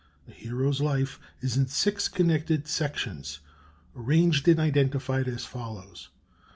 "A Hero's Life" is in six connected sections, arranged and identified as follows: 1.